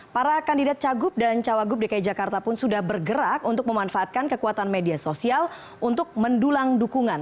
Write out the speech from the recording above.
para kandidat cagup dan cawagup dki jakarta pun sudah bergerak untuk memanfaatkan kekuatan media sosial untuk mendulang dukungan